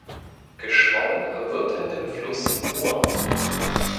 Geschwommen wird in dem Fluss Mur.